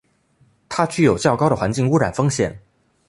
它具有较高的环境污染风险。